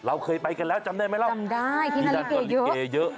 เราเคยไปกันแล้วจำได้ไหมแล้วจำได้ที่นาฬิเกย์เยอะ